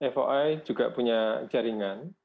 foi juga punya jaringan